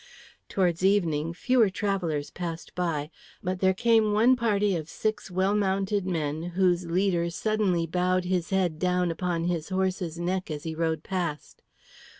Towards evening fewer travellers passed by, but there came one party of six well mounted men whose leader suddenly bowed his head down upon his horse's neck as he rode past.